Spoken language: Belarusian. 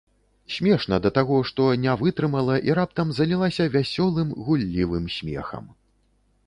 Смешна да таго, што не вытрымала і раптам залілася вясёлым, гуллівым смехам.